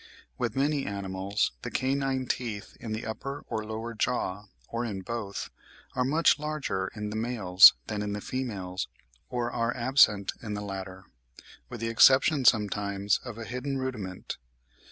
With many animals the canine teeth in the upper or lower jaw, or in both, are much larger in the males than in the females, or are absent in the latter, with the exception sometimes of a hidden rudiment.